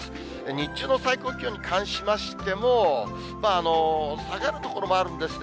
日中の最高気温に関しましても、下がる所もあるんですね。